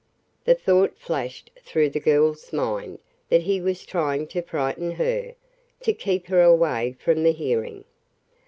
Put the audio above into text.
The thought flashed through the girl's mind that he was trying to frighten her to keep her away from the hearing.